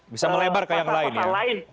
bisa melebar ke yang lain ya